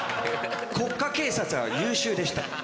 国家警察は優秀でした。